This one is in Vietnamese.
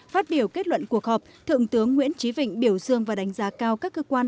phát biểu kết luận cuộc họp thượng tướng nguyễn trí vịnh biểu dương và đánh giá cao các cơ quan